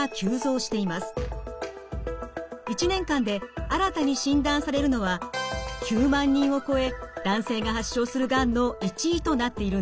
１年間で新たに診断されるのは９万人を超え男性が発症するがんの１位となっているんです。